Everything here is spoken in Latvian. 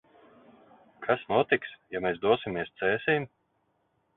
Kas notiks, ja mēs dosimies Cēsīm?